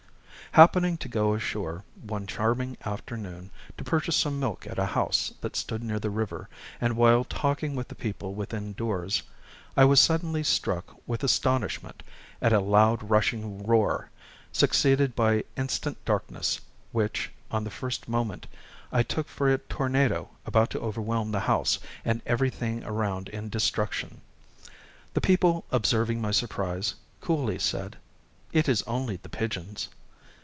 "Happening to go ashore one charming afternoon, to purchase some milk at a house that stood near the river, and while talking with the people within doors, I was suddenly struck with astonishment at a loud rushing roar, succeeded by instant darkness, which, on the first moment, I took for a tornado about to overwhelm the house and every thing around in destruction. The people observing my surprise, coolly said, 'It is only the pigeons!'